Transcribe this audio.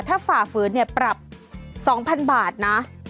ถ้าฝ่าฝืนเนี่ยปรับ๒๐๐๐บาทนะ